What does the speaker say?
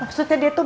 maksudnya dia tuh